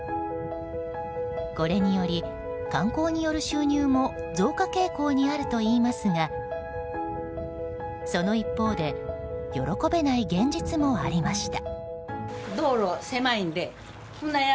これにより観光による収入も増加傾向にあるといいますがその一方で喜べない現実もありました。